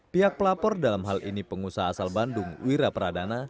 pihak pelapor dalam hal ini pengusaha asal bandung wira pradana